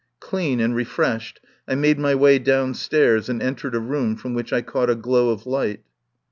Clean and refreshed, I made my way downstairs and entered a room from which I caught a glow of light.